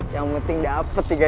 yang penting dapet tiga juta